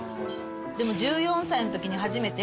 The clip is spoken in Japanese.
でも１４歳のときに初めて。